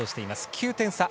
９点差。